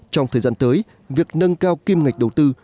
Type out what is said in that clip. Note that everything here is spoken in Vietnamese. trong thời gian tới việc nâng cao kim ngạch đầu tư